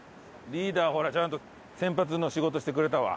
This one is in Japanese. リーダーほらちゃんと先発の仕事してくれたわ。